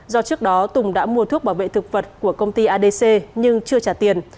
do trước đó tùng đã mua thuốc bảo vệ thực vật của công ty adc nhưng chưa trả tiền